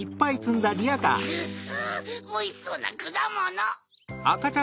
グフっおいしそうなくだもの！